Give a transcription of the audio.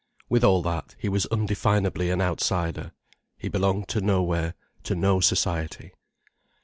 With all that, he was undefinably an outsider. He belonged to nowhere, to no society.